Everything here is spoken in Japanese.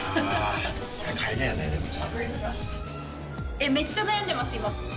えっめっちゃ悩んでます今。